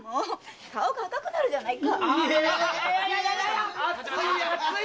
顔が赤くなるじゃないか！